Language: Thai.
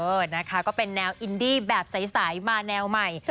เออนะคะก็เป็นแนวอินดี้แบบใสมาแนวใหม่